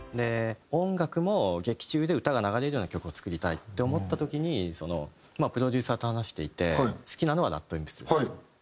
音楽も劇中で歌が流れるような曲を作りたいって思った時にプロデューサーと話していて「好きなのはＲＡＤＷＩＭＰＳです」と。